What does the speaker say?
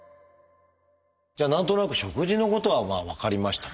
じゃあ何となく食事のことは分かりましたと。